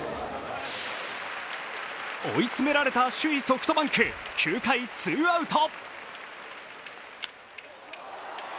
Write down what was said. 追い詰められた首位・ソフトバンク、９回、ツーアウト。